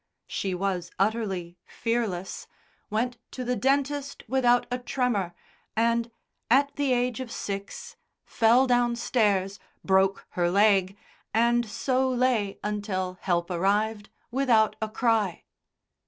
She was utterly fearless, went to the dentist without a tremor, and, at the age of six, fell downstairs, broke her leg, and so lay until help arrived without a cry.